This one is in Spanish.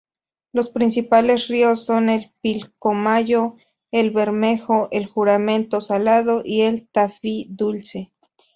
Los principales ríos son el Pilcomayo, el Bermejo, el Juramento-Salado y el Tafí-Dulce.